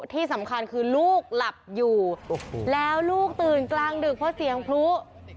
ที่สำคัญคือลูกหลับอยู่แล้วลูกตื่นกลางดึกเพราะเสียงพลุ